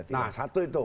nah satu itu